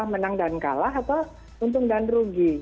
menang dan kalah atau untung dan rugi